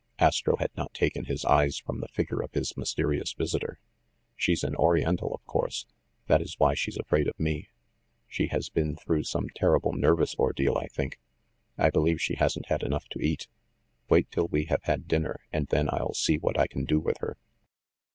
Astro had not taken his eyes from the figure of his mysterious visitor. "She's an oriental, of course. That is why she's afraid of me. She has been through some terrible nervous ordeal, I think. I believe she hasn't had enough to eat. Wait till we have had din ner, and then I'll see what I can do with her.